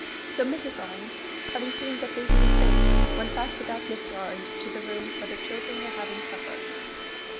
So Mrs. Orange, having seen that baby was safe, went back without Mr. Orange to the room where the children were having supper.